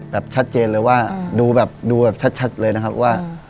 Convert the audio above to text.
แบบชัดเจนเลยว่าดูแบบดูแบบชัดเลยนะครับว่า